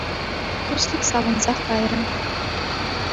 Туслик савӑнсах кайрӗ.